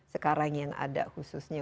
sekarang yang ada khususnya